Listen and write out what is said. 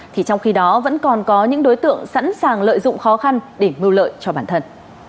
thì trong khi đó vẫn còn có những đối tượng sẵn sàng lợi dụng khó khăn để mưu lợi cho bản thân